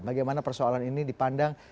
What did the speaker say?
bagaimana persoalan ini dipandang